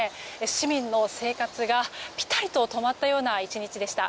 市民の生活がぴたりと止まったような１日でした。